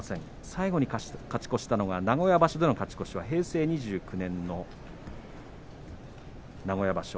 最後に勝ち越したのが名古屋場所の勝ち越しは平成２９年の名古屋場所。